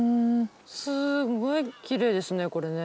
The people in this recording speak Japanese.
すごいきれいですねこれね。